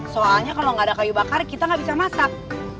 soalnya kalau nggak ada kayu bakar kita nggak bisa masak